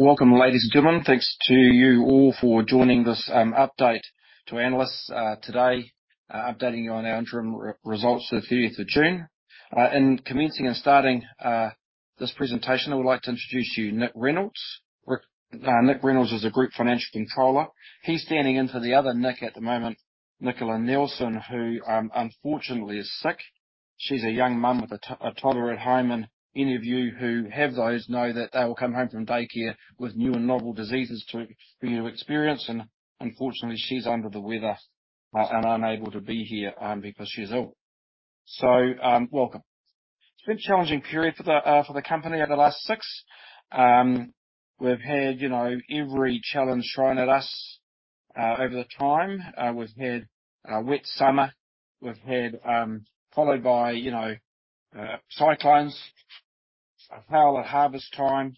Welcome, ladies and gentlemen. Thanks to you all for joining this update to our analysts today, updating you on our interim results for the thirtieth of June. In commencing and starting this presentation, I would like to introduce you, Nick Reynolds. Nick Reynolds is Group Financial Controller. He's standing in for the other Nick at the moment, Nicola Neilson, who unfortunately is sick. She's a young mum with a toddler at home, and any of you who have those know that they will come home from daycare with new and novel diseases for you to experience, and unfortunately, she's under the weather and unable to be here because she's ill. So, welcome. It's been a challenging period for the company over the last six. We've had, you know, every challenge thrown at us over the time. We've had a wet summer. We've had followed by, you know, cyclones, a hail at harvest time,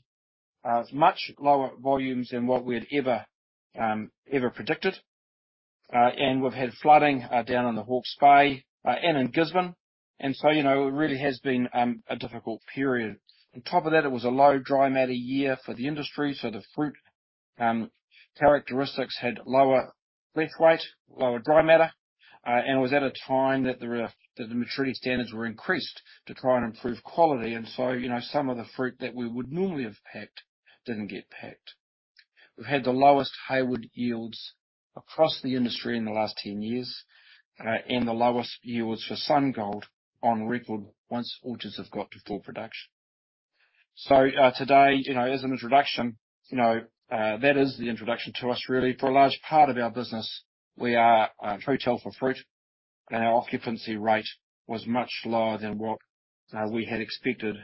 much lower volumes than what we had ever ever predicted. And we've had flooding down in the Hawke's Bay and in Gisborne, and so, you know, it really has been a difficult period. On top of that, it was a low dry matter year for the industry, so the fruit characteristics had lower leaf weight, lower dry matter, and it was at a time that the that the maturity standards were increased to try and improve quality, and so, you know, some of the fruit that we would normally have packed didn't get packed. We've had the lowest Hayward yields across the industry in the last 10 years, and the lowest yields for SunGold on record once orchards have got to full production. So, today, you know, as an introduction, you know, that is the introduction to us, really. For a large part of our business, we are a hotel for fruit, and our occupancy rate was much lower than what we had expected,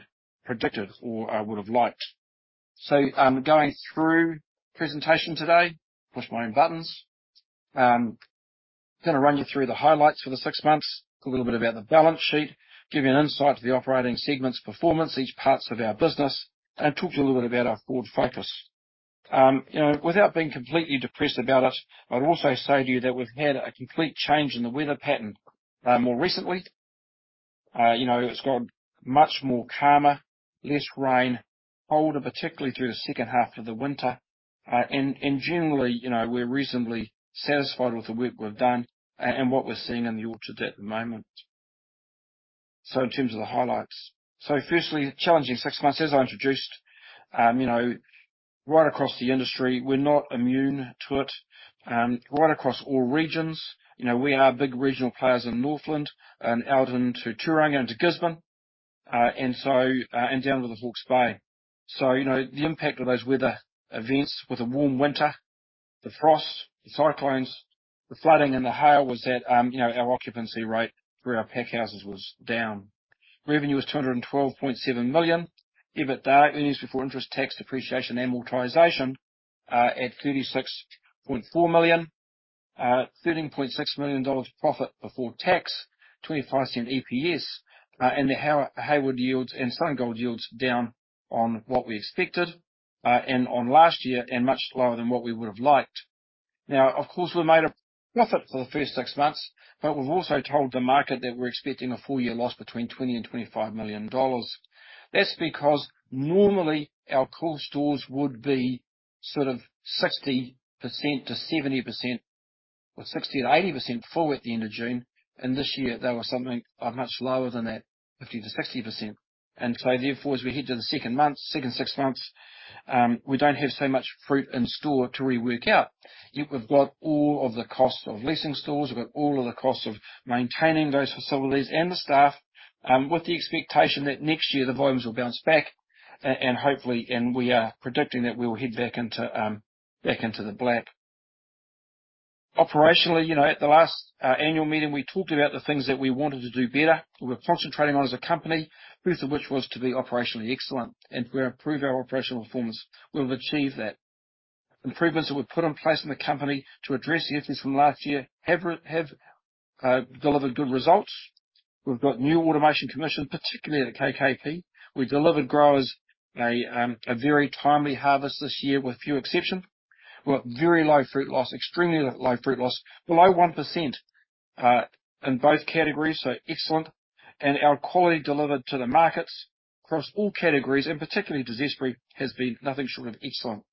predicted, or I would have liked. So, I'm going through presentation today, push my own buttons. Gonna run you through the highlights for the six months, talk a little bit about the balance sheet, give you an insight to the operating segments performance, each parts of our business, and talk to you a little bit about our forward focus. You know, without being completely depressed about it, I'd also say to you that we've had a complete change in the weather pattern more recently. You know, it's got much more calmer, less rain, colder, particularly through the second-half of the winter, and generally, you know, we're reasonably satisfied with the work we've done and what we're seeing in the orchards at the moment. So in terms of the highlights. So firstly, challenging six months, as I introduced, you know, right across the industry, we're not immune to it, right across all regions. You know, we are big regional players in Northland and out into Tauranga, into Gisborne, and so, and down to the Hawke's Bay. So, you know, the impact of those weather events with a warm winter, the frost, the cyclones, the flooding and the hail was that, you know, our occupancy rate through our pack houses was down. Revenue was 212.7 million. EBITDA, earnings before interest, tax, depreciation, and amortization, at 36.4 million. Thirteen point six million dollars profit before tax, 0.25 EPS, and the Hayward yields and SunGold yields down on what we expected, and on last year, and much lower than what we would have liked. Now, of course, we've made a profit for the first six months, but we've also told the market that we're expecting a full-year loss between 20 million and 25 million dollars. That's because normally our cool stores would be sort of 60%-70%, or 60%-80% full at the end of June, and this year they were something much lower than that, 50%-60%. And so therefore, as we head to the second month, second six months, we don't have so much fruit in store to rework out, yet we've got all of the costs of leasing stores, we've got all of the costs of maintaining those facilities and the staff, with the expectation that next year the volumes will bounce back, and hopefully, and we are predicting that we will head back into back into the black. Operationally, you know, at the last annual meeting, we talked about the things that we wanted to do better. We were concentrating on as a company, first of which was to be operationally excellent, and to improve our operational performance. We've achieved that. Improvements that we've put in place in the company to address the issues from last year have delivered good results. We've got new automation commissioned, particularly at KKP. We delivered growers a very timely harvest this year, with few exceptions. We've got very low fruit loss, extremely low fruit loss, below 1%, in both categories, so excellent. And our quality delivered to the markets across all categories, and particularly to Zespri, has been nothing short of excellent.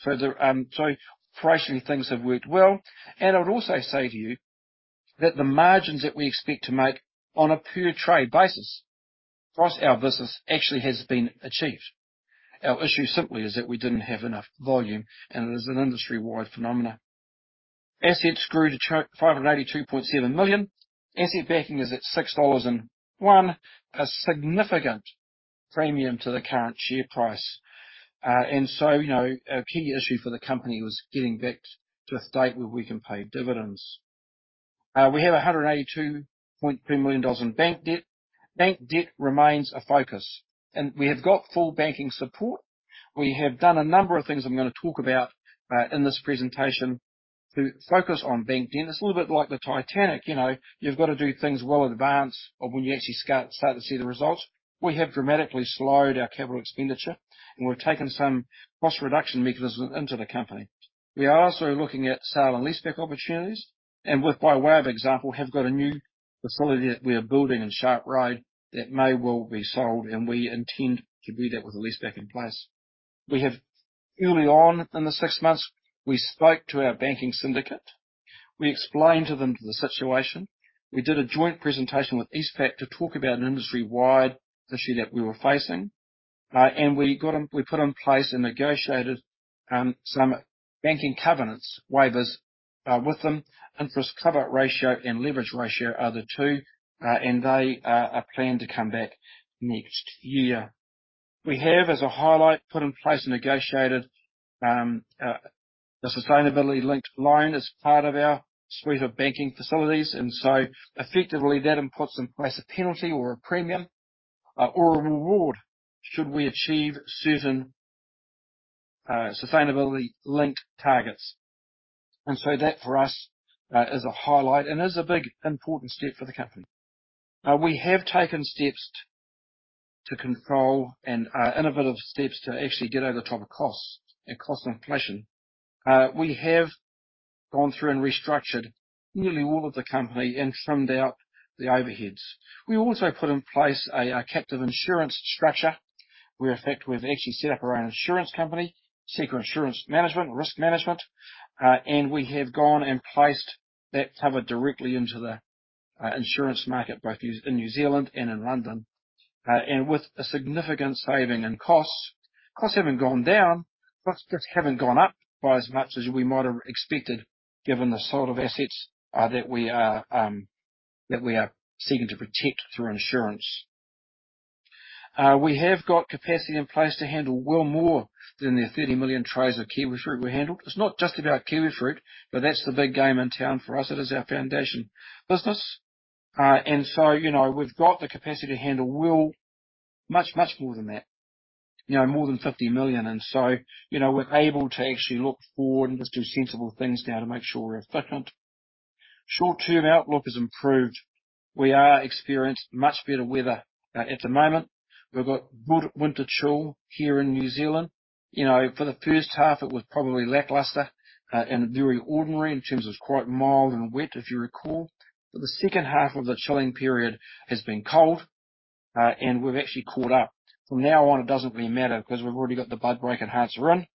So operationally, things have worked well, and I would also say to you that the margins that we expect to make on a per tray basis across our business actually has been achieved. Our issue simply is that we didn't have enough volume, and it is an industry-wide phenomena. Assets grew to 582.7 million. Asset backing is at 6.01 million dollars, a significant premium to the current share price. And so, you know, a key issue for the company was getting back to a state where we can pay dividends. We have 182.3 million dollars in bank debt. Bank debt remains a focus, and we have got full banking support. We have done a number of things I'm gonna talk about in this presentation to focus on bank debt. It's a little bit like the Titanic, you know? You've got to do things well in advance of when you actually start to see the results. We have dramatically slowed our capital expenditure, and we've taken some cost reduction mechanisms into the company. We are also looking at sale and leaseback opportunities, and with, by way of example, have got a new facility that we are building in Sharp Road, that may well be sold, and we intend to do that with a leaseback in place. We have, early on in the six months, we spoke to our banking syndicate. We explained to them the situation. We did a joint presentation with EastPack to talk about an industry-wide issue that we were facing, and we put in place and negotiated some banking covenants waivers with them. Interest cover ratio and leverage ratio are the two, and they are planned to come back next year. We have, as a highlight, put in place a negotiated, a sustainability-linked loan as part of our suite of banking facilities, and so effectively that puts in place a penalty or a premium, or a reward should we achieve certain, sustainability-linked targets. And so that for us, is a highlight and is a big important step for the company. We have taken steps to control and innovative steps to actually get over top of costs and cost inflation. We have gone through and restructured nearly all of the company and trimmed out the overheads. We also put in place a, captive insurance structure, where in fact, we've actually set up our own insurance company, Seeka Insurance Management. And we have gone and placed that cover directly into the insurance market, both in New Zealand and in London, and with a significant saving in costs. Costs haven't gone down, costs just haven't gone up by as much as we might have expected, given the sort of assets that we are, that we are seeking to protect through insurance. We have got capacity in place to handle well more than the 30 million trays of kiwifruit we handled. It's not just about kiwifruit, but that's the big game in town for us. It is our foundation business. And so, you know, we've got the capacity to handle well, much, much more than that. You know, more than 50 million, and so, you know, we're able to actually look forward and just do sensible things now to make sure we're efficient. Short-term outlook has improved. We have experienced much better weather. At the moment, we've got good winter chill here in New Zealand. You know, for the first half, it was probably lackluster, and very ordinary in terms of quite mild and wet, if you recall. But the second half of the chilling period has been cold, and we've actually caught up. From now on, it doesn't really matter because we've already got the bud break enhancers in,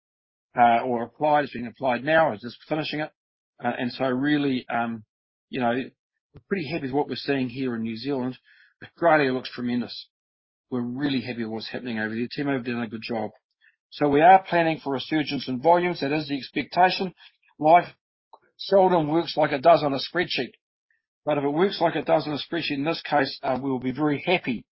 or applied, it's being applied now, we're just finishing it. And so really, you know, we're pretty happy with what we're seeing here in New Zealand. Australia looks tremendous. We're really happy with what's happening over there. The team have done a good job. So we are planning for a resurgence in volumes. That is the expectation. Life seldom works like it does on a spreadsheet, but if it works like it does on a spreadsheet, in this case, we'll be very happy.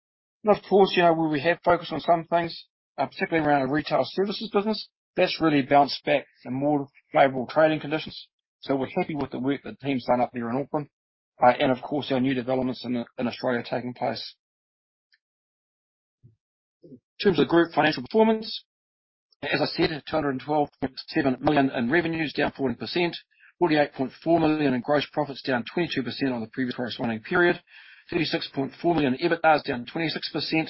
And of course, you know, where we have focused on some things, particularly around our retail services business, that's really bounced back to more favorable trading conditions. So we're happy with the work the teams done up there in Auckland, and of course, our new developments in, in Australia are taking place. In terms of group financial performance, as I said, 212.7 million in revenues, down 14%, 48.4 million in gross profits, down 22% on the previous corresponding period. 36.4 million EBITDA, down 26%.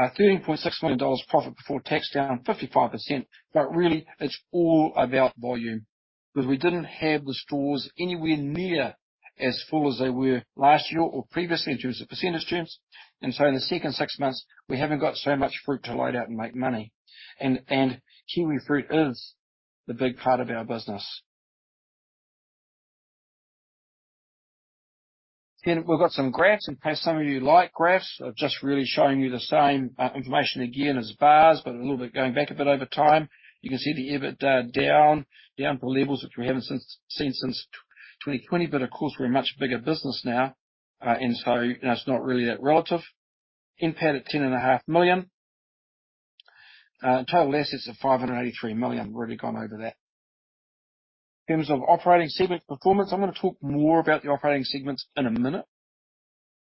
13.6 million dollars profit before tax, down 55%. But really, it's all about volume, 'cause we didn't have the stores anywhere near as full as they were last year or previously, in terms of percentage terms, and so in the second six months, we haven't got so much fruit to load out and make money. And kiwi fruit is the big part of our business. Then we've got some graphs, in case some of you like graphs. They're just really showing you the same information again as bars, but a little bit going back a bit over time. You can see the EBITDA down to levels which we haven't seen since 2020, but of course, we're a much bigger business now, and so, you know, it's not really that relative. NPAT at 10.5 million. Total assets of 583 million. We've already gone over that. In terms of operating segment performance, I'm gonna talk more about the operating segments in a minute.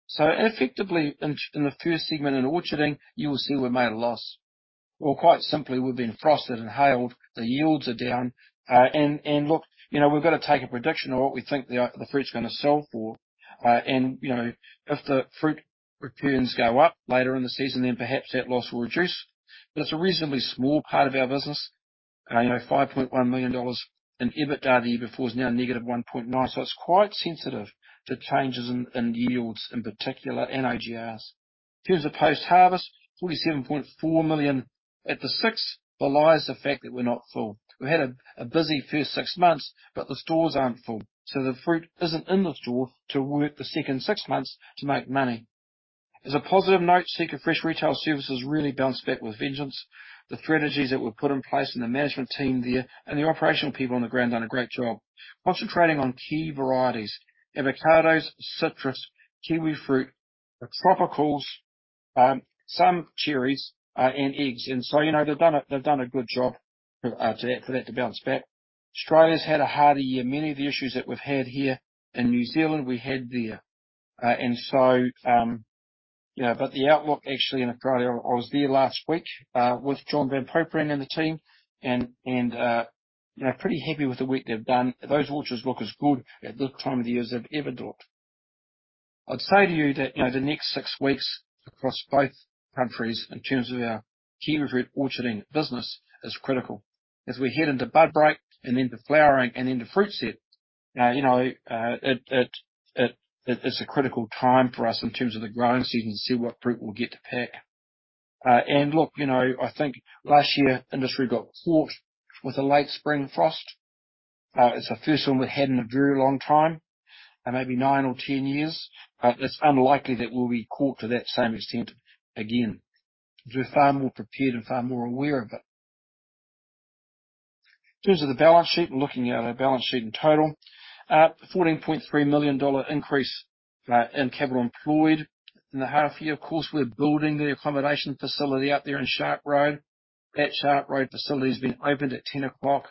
So effectively, in the first segment in orcharding, you will see we made a loss. Well, quite simply, we've been frosted and hailed. The yields are down, and look, you know, we've got to take a prediction of what we think the fruit's gonna sell for. And you know, if the fruit returns go up later in the season, then perhaps that loss will reduce. But it's a reasonably small part of our business. You know, 5.1 million dollars in EBITDA the year before is now -1.9 million. So it's quite sensitive to changes in yields, in particular, and AGRs. In terms of post-harvest, 47.4 million at the six belies the fact that we're not full. We had a busy first six months, but the stores aren't full, so the fruit isn't in the store to work the second six months to make money. As a positive note, SeekaFresh retail services really bounced back with vengeance. The strategies that were put in place and the management team there, and the operational people on the ground done a great job. Concentrating on key varieties: avocados, citrus, kiwifruit, tropicals, some cherries, and eggs. And so, you know, they've done a good job for that to bounce back. Australia's had a harder year. Many of the issues that we've had here in New Zealand, we had there. And so, you know, but the outlook actually in Australia, I was there last week, with Jon van Popering and the team, and, you know, pretty happy with the work they've done. Those orchards look as good at this time of the year as they've ever looked. I'd say to you that, you know, the next six weeks across both countries in terms of our kiwi fruit orcharding business is critical, as we head into bud break, and into flowering, and into fruit set, you know, it's a critical time for us in terms of the growing season to see what fruit we'll get to pick. And look, you know, I think last year, industry got caught with a late spring frost. It's the first one we've had in a very long time, maybe nine or 10 years. It's unlikely that we'll be caught to that same extent again. We're far more prepared and far more aware of it. In terms of the balance sheet, we're looking at our balance sheet in total. 14.3 million dollar increase in capital employed in the half year. Of course, we're building the accommodation facility out there in Sharp Road. That Sharp Road facility is being opened at 10 o'clock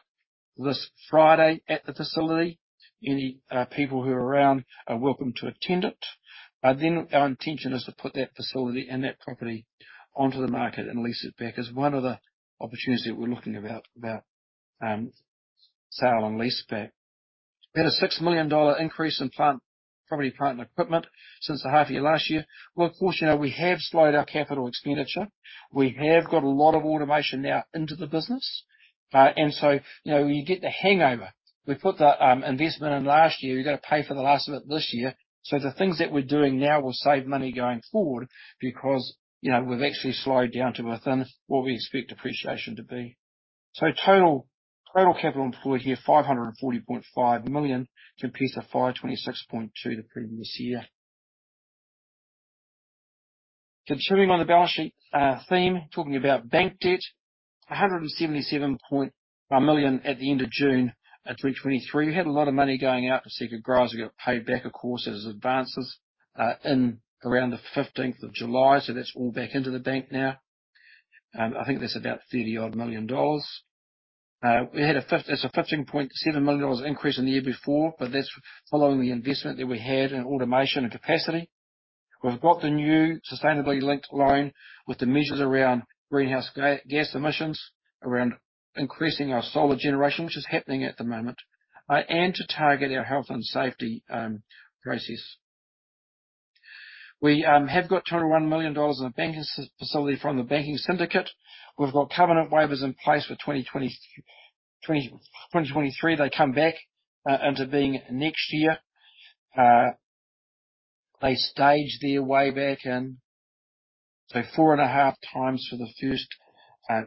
this Friday at the facility. Any people who are around are welcome to attend it. Then our intention is to put that facility and that property onto the market and lease it back, as one of the opportunities that we're looking about, sale and leaseback. We had a 6 million dollar increase in plant, property, plant, and equipment since the half year last year. Well, of course, you know, we have slowed our capital expenditure. We have got a lot of automation now into the business. And so, you know, you get the hangover. We put the investment in last year, we've got to pay for the last of it this year. So the things that we're doing now will save money going forward because, you know, we've actually slowed down to within what we expect depreciation to be. So total capital employed here, 540.5 million, compared to 526.2 million the previous year. Continuing on the balance sheet theme, talking about bank debt, 177 million at the end of June 2023. We had a lot of money going out to Seeka RSE. We got paid back, of course, as advances in around the 15th of July, so that's all back into the bank now. I think that's about 30 million dollars. It's a 15.7 million dollars increase in the year before, but that's following the investment that we had in automation and capacity. We've got the new sustainability linked loan with the measures around greenhouse gas emissions, around increasing our solar generation, which is happening at the moment, and to target our health and safety process. We have got 21 million dollars in a banking syndicate facility from the banking syndicate. We've got covenant waivers in place for 2023. They come back into being next year. They stage their way back in, so 4.5 times for the first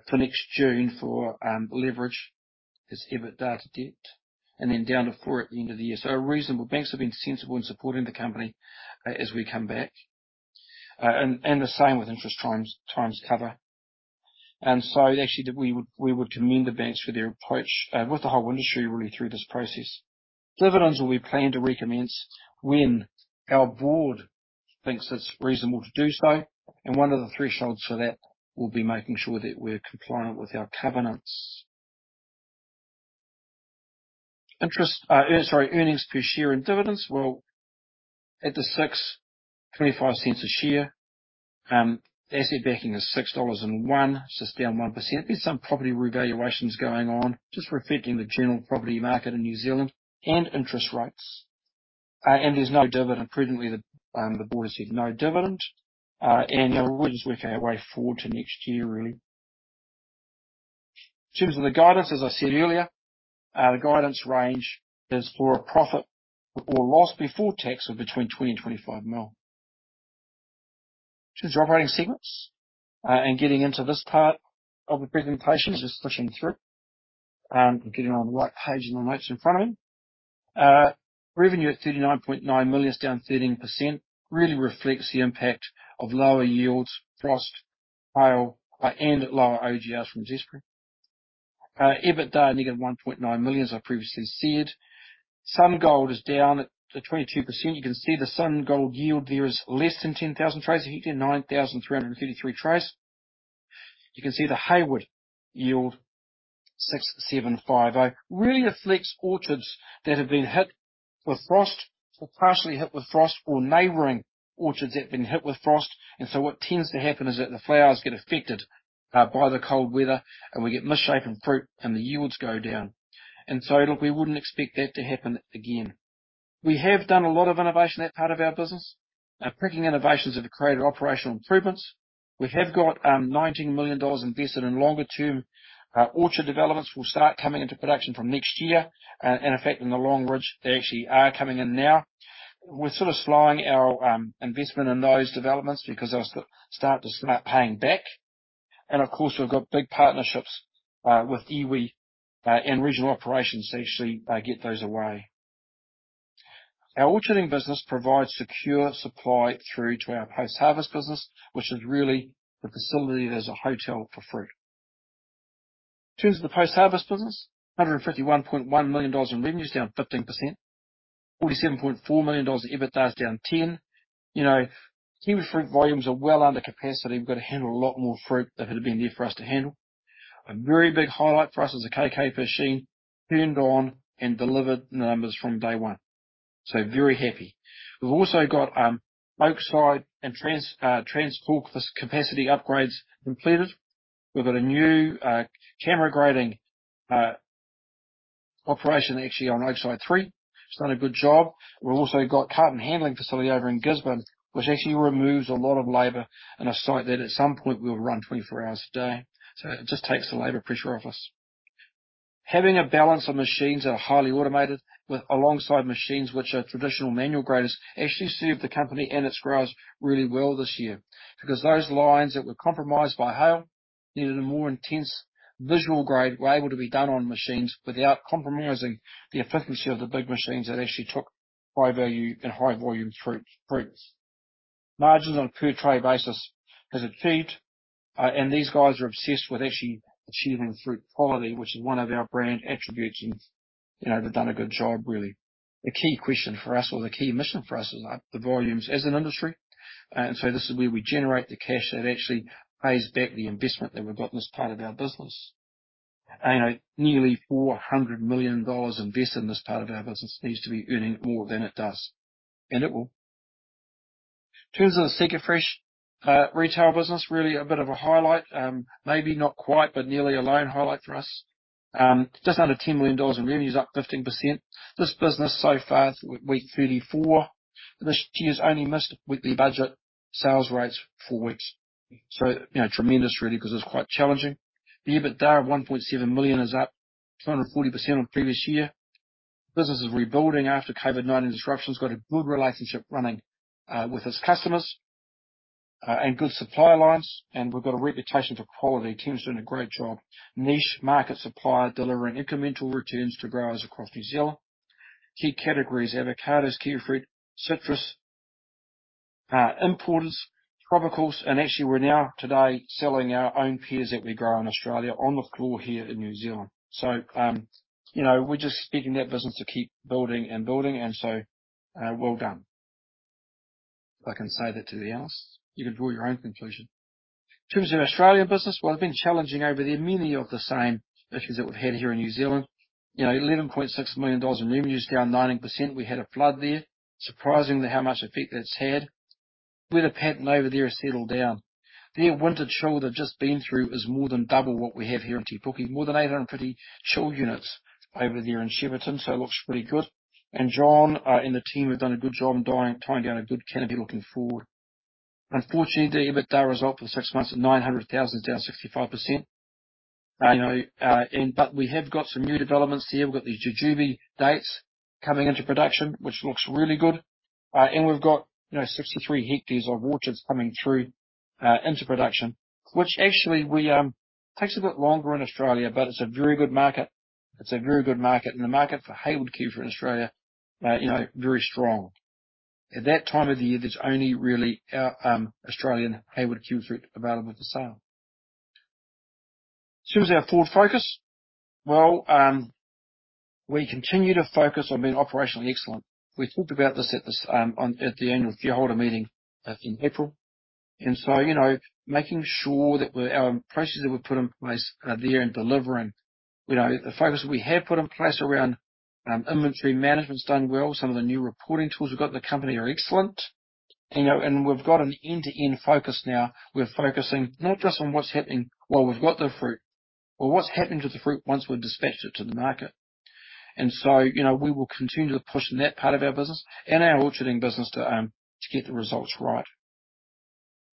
for next June for leverage is EBITDA debt, and then down to 4 at the end of the year. So a reasonable—banks have been sensible in supporting the company as we come back. And the same with interest cover. And so actually, we would commend the banks for their approach with the whole industry really through this process. Dividends will be planned to recommence when our board thinks it's reasonable to do so, and one of the thresholds for that will be making sure that we're compliant with our covenants. Earnings per share and dividends, well, at 6.25 cents a share. The asset backing is 6.01 dollars, just down 1%. There's some property revaluations going on, just reflecting the general property market in New Zealand and interest rates. And there's no dividend presently. The board has said no dividend, and we're just working our way forward to next year, really. In terms of the guidance, as I said earlier, the guidance range is for a profit or loss before tax of between 20 million and 25 million. In terms of operating segments, and getting into this part of the presentation, just pushing through, getting on the right page in the notes in front of me. Revenue at 39.9 million, is down 13%, really reflects the impact of lower yields, frost, hail, and lower OGRs from Zespri. EBITDA, negative 1.9 million, as I previously said. SunGold is down at the 22%. You can see the SunGold yield there is less than 10,000 trays, actually 9,333 trays. You can see the Hayward yield, 6,750, really reflects orchards that have been hit with frost or partially hit with frost, or neighboring orchards that have been hit with frost. And so what tends to happen is that the flowers get affected by the cold weather, and we get misshapen fruit, and the yields go down. And so, look, we wouldn't expect that to happen again. We have done a lot of innovation in that part of our business. Our picking innovations have created operational improvements. We have got 19 million dollars invested in longer term. Orchard developments will start coming into production from next year. And in fact, in the Longridge, they actually are coming in now. We're sort of slowing our investment in those developments because they'll start to start paying back. Of course, we've got big partnerships with iwi and regional operations to actually get those away. Our orcharding business provides secure supply through to our post-harvest business, which is really the facility that is a hotel for fruit. In terms of the post-harvest business, 151.1 million dollars in revenues, down 15%. 47.4 million dollars EBITDA, is down 10. You know, kiwifruit volumes are well under capacity. We've got to handle a lot more fruit if it had been there for us to handle. A very big highlight for us is the KK machine, turned on and delivered the numbers from day one. So very happy. We've also got Oakside and Trans transport capacity upgrades completed. We've got a new, camera grading, operation actually on Oakside 3. It's done a good job. We've also got carton handling facility over in Gisborne, which actually removes a lot of labor in a site that at some point will run 24 hours a day. So it just takes the labor pressure off us. Having a balance of machines that are highly automated, with alongside machines which are traditional manual graders, actually served the company and its growers really well this year, because those lines that were compromised by hail, needed a more intense visual grade, were able to be done on machines without compromising the efficiency of the big machines that actually took high value and high volume fruit, fruits. Margins on a per tray basis is achieved, and these guys are obsessed with actually achieving fruit quality, which is one of our brand attributes, and, you know, they've done a good job, really. The key question for us or the key mission for us is up the volumes as an industry. And so this is where we generate the cash that actually pays back the investment that we've got in this part of our business. You know, nearly 400 million dollars invested in this part of our business needs to be earning more than it does, and it will. In terms of the Seeka Fresh retail business, really a bit of a highlight. Maybe not quite, but nearly a lone highlight for us. Just under 10 million dollars in revenues, up 15%. This business so far, through week 34, this year's only missed weekly budget sales rates four weeks. So, you know, tremendous really, 'cause it's quite challenging. The EBITDA of 1.7 million is up 240% on previous year. Business is rebuilding after COVID-19 disruptions. Got a good relationship running with its customers, and good supplier lines, and we've got a reputation for quality. Team's doing a great job. Niche market supplier, delivering incremental returns to growers across New Zealand. Key categories: avocados, kiwifruit, citrus, importers, tropicals, and actually, we're now today selling our own pears that we grow in Australia on the floor here in New Zealand. So, you know, we're just expecting that business to keep building and building, and so, well done. If I can say that to the others, you can draw your own conclusion. In terms of Australia business, well, it's been challenging over there, many of the same issues that we've had here in New Zealand. You know, 11.6 million dollars in revenues, down 19%. We had a flood there. Surprisingly, how much effect that's had. Weather pattern over there has settled down. Their winter chill they've just been through is more than double what we have here in Te Puke. More than 850 chill units over there in Shepparton, so it looks pretty good. And Jon and the team have done a good job in tying down a good canopy looking forward. Unfortunately, the EBITDA result for six months is 900,000 million, down 65%. You know, and but we have got some new developments here. We've got the jujube dates coming into production, which looks really good. And we've got, you know, 63 hectares of orchards coming through into production, which actually we takes a bit longer in Australia, but it's a very good market. It's a very good market, and the market for Hayward Kiwifruit in Australia, you know, very strong. At that time of the year, there's only really our Australian Hayward Kiwifruit available for sale. In terms of our forward focus, well, we continue to focus on being operationally excellent. We talked about this at this, on, at the annual shareholder meeting in April. And so, you know, making sure that we're our processes that we've put in place are there and delivering. You know, the focus we have put in place around inventory management's done well. Some of the new reporting tools we've got in the company are excellent. You know, and we've got an end-to-end focus now. We're focusing not just on what's happening, well, we've got the fruit, but what's happening to the fruit once we've dispatched it to the market. And so, you know, we will continue to push in that part of our business and our orcharding business to, to get the results right.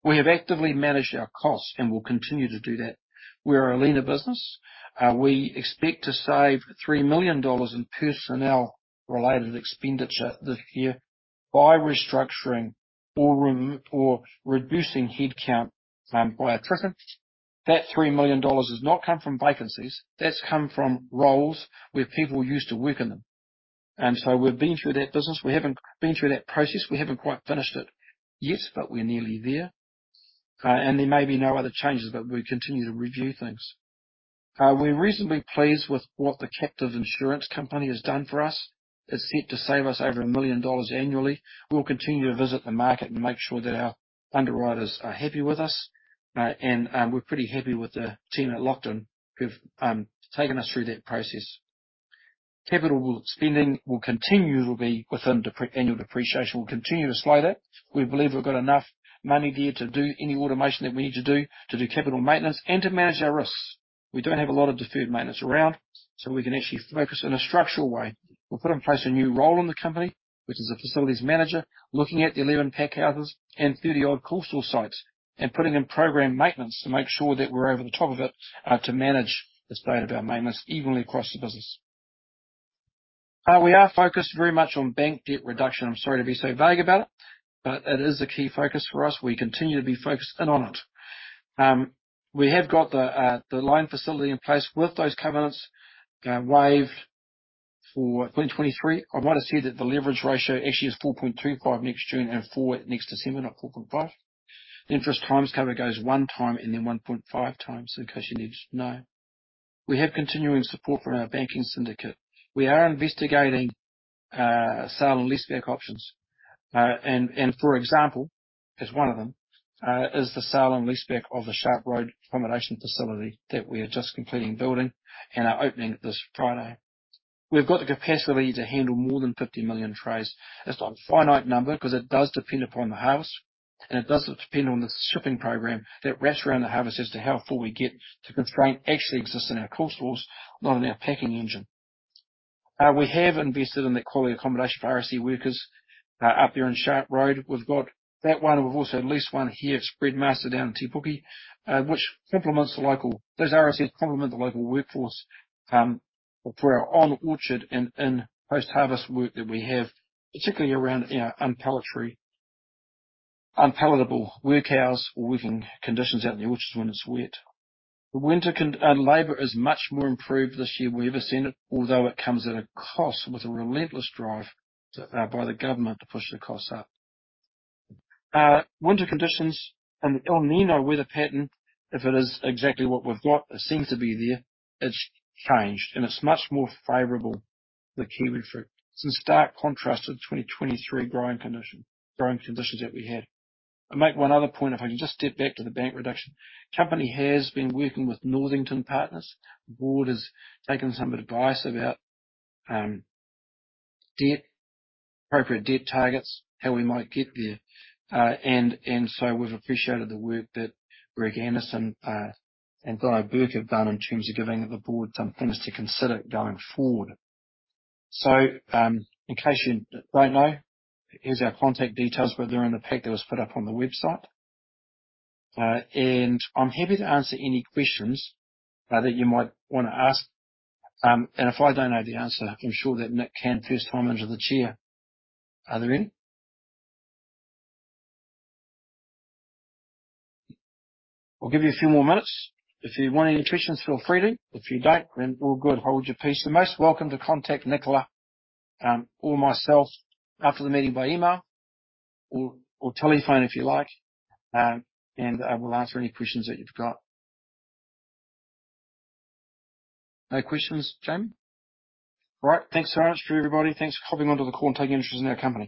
We have actively managed our costs and will continue to do that. We are a leaner business. We expect to save 3 million dollars in personnel related expenditure this year by restructuring or reducing headcount by a third. That 3 million dollars has not come from vacancies. That's come from roles where people used to work in them. So we've been through that business. We haven't been through that process. We haven't quite finished it yet, but we're nearly there. And there may be no other changes, but we continue to review things. We're reasonably pleased with what the captive insurance company has done for us. It's set to save us over 1 million dollars annually. We'll continue to visit the market and make sure that our underwriters are happy with us, and we're pretty happy with the team at Lockton, who've taken us through that process. Capital spending will continue to be within annual depreciation. We'll continue to slow that. We believe we've got enough money there to do any automation that we need to do, to do capital maintenance, and to manage our risks. We don't have a lot of deferred maintenance around, so we can actually focus in a structural way. We've put in place a new role in the company, which is a facilities manager, looking at the 11 pack houses and 30-odd coastal sites, and putting in program maintenance to make sure that we're over the top of it, to manage the state of our maintenance evenly across the business. We are focused very much on bank debt reduction. I'm sorry to be so vague about it, but it is a key focus for us. We continue to be focused in on it. We have got the line facility in place with those covenants waived for 2023. I want to say that the leverage ratio actually is 4.25 next June and 4 next December, not 4.5. Interest cover goes 1x and then 1.5x, in case you needed to know. We have continuing support from our banking syndicate. We are investigating sale and leaseback options. And for example, as one of them, is the sale and leaseback of the Sharp Road accommodation facility that we are just completing building and are opening this Friday. We've got the capacity to handle more than 50 million trays. It's not a finite number 'cause it does depend upon the harvest and it does depend on the shipping program that wraps around the harvest as to how full we get. The constraint actually exists in our cost laws, not in our packing engine. We have invested in the quality accommodation for RSE workers up there in Sharp Road. We've got that one. We've also leased one here at Spreadmaster down in Te Puke, which complements the local. Those RSEs complement the local workforce, for our on orchard and post-harvest work that we have, particularly around our unpalatable work hours or working conditions out in the orchards when it's wet. The winter labor is much more improved this year we've ever seen it, although it comes at a cost, with a relentless drive by the government to push the costs up. Winter conditions and the El Niño weather pattern, if it is exactly what we've got, it seems to be there, it's changed, and it's much more favorable for kiwi fruit. It's in stark contrast with 2023 growing condition, growing conditions that we had. I'll make one other point, if I can just step back to the bank reduction. Company has been working with Northington Partners. The board has taken some advice about debt, appropriate debt targets, how we might get there. And so we've appreciated the work that Greg Anderson and Guy Burke have done in terms of giving the board some things to consider going forward. So, in case you don't know, here's our contact details, whether they're in the pack that was put up on the website. And I'm happy to answer any questions that you might want to ask. And if I don't know the answer, I'm sure that Nick can, first time into the chair. Are a few more minutes. If you want any questions, feel free to. If you don't, then all good, hold your peace. You're most welcome to contact Nicola, or myself after the meeting by email or telephone, if you like, and we'll answer any questions that you've got. No questions, Jamie? All right. Thanks so much to everybody. Thanks for hopping onto the call and taking interest in our company.